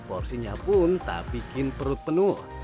porsinya pun tak bikin perut penuh